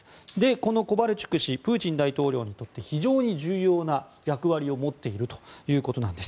このコバルチュク氏はプーチン大統領にとって非常に重要な役割を持っているということなんです。